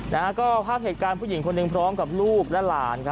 ภาพเหตุการณ์ผู้หญิงคนหนึ่งพร้อมกับลูกและหลาน